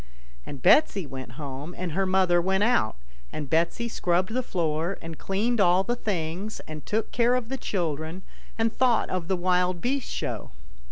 " And Betsy went home, and her mother went out, VIL] THE BABY'S LEGS. 83 and Betsy scrubbed the floor, and cleaned all the things, and took care of the children, and thought of the wild beast show.